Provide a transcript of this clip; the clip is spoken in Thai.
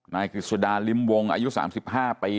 นายคิดสุดาลิมวงอายุ๓๕ปี